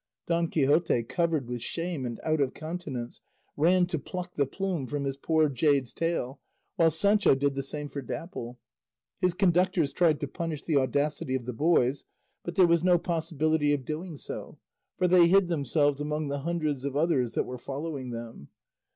Don Quixote, covered with shame and out of countenance, ran to pluck the plume from his poor jade's tail, while Sancho did the same for Dapple. His conductors tried to punish the audacity of the boys, but there was no possibility of doing so, for they hid themselves among the hundreds of others that were following them.